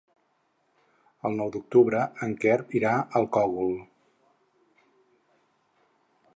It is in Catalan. El nou d'octubre en Quer irà al Cogul.